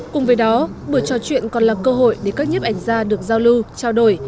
cùng với đó buổi trò chuyện còn là cơ hội để các nhếp ảnh gia được giao lưu trao đổi